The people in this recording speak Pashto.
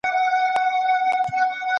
زاهل محمدذاهر نظرمحمد اڅک